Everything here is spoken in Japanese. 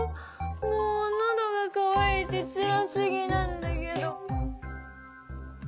もうのどがかわいてつらすぎなんだけど。